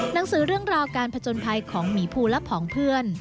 หนังสือเรื่องราวการผจญภัยของหมีภูและผองเพื่อน